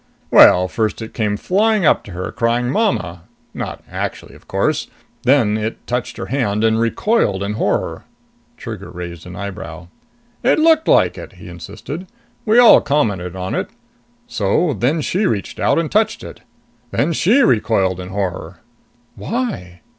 "Well, first it came flying up to her, crying 'Mama!' Not actually, of course. Then it touched her hand and recoiled in horror." Trigger raised an eyebrow. "It looked like it," he insisted. "We all commented on it. So then she reached out and touched it. Then she recoiled in horror." "Why?"